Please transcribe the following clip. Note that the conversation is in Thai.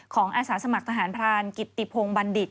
ของอาสาสมัครทหารพลานกิตติพงบัณฑิต